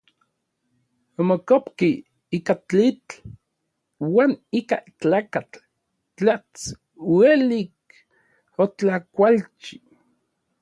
Omokopki ika tlitl uan ika tlakatl tlats uelik otlakualchi.